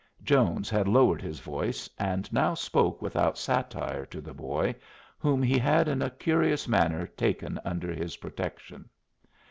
Jones had lowered his voice, and now spoke without satire to the boy whom he had in a curious manner taken under his protection.